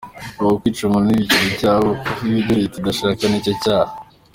Ubu kwica umuntu ntibikiri icyaha, ahubwo kuvuga ibyo Leta idashaka ni cyo cyaha.